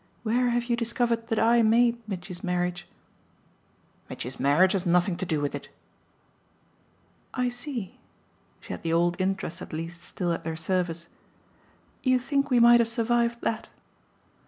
Where have you discovered that I made Mitchy's marriage?" "Mitchy's marriage has nothing to do with it." "I see." She had the old interest at least still at their service. "You think we might have survived that."